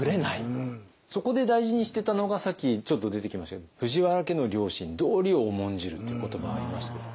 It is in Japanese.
そこで大事にしてたのがさっきちょっと出てきましたけども藤原家の良心道理を重んじるっていう言葉がありましたけれども。